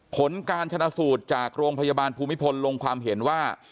ผลการชนะสูตรจากโรงพยาบาลภูมิพลลงความเห็นว่า